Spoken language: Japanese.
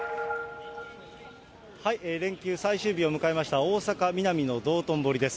連休最終日を迎えました、大阪・ミナミの道頓堀です。